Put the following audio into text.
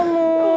oh jangan dong ma